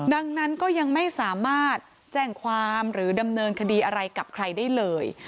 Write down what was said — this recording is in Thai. ดังนั้นก็ยังไม่สามารถแจ้งความหรือดำเนินคดีอะไรกับใครได้เลย